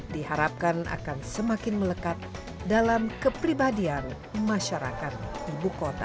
diharapkan akan semakin melekat dalam kepribadian masyarakat ibu kota